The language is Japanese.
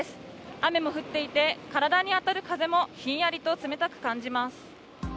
雨も降っていて体に当たる風もひんやりと冷たく感じます。